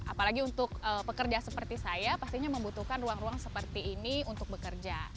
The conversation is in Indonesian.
apalagi untuk pekerja seperti saya pastinya membutuhkan ruang ruang seperti ini untuk bekerja